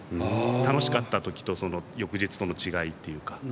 楽しかった時とその翌日との違いっていうか。